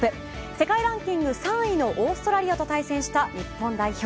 世界ランキング３位のオーストラリアと対戦した日本代表。